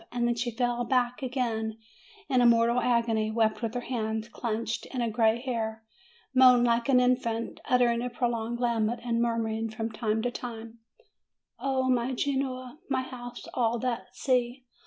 And then she fell back again into a mortal agony, wept with her hands clutched in her gray hair, moaned like an infant, uttering a pro longed lament, and murmuring from time to time : "O my Genoa! My house! All that sea!